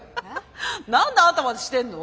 何であんたまでしてんの？